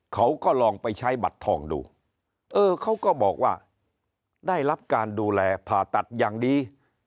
เขาก็ลองไปใช้บัตรทองดูเออเขาก็บอกว่าได้รับการดูแลผ่าตัดอย่างดี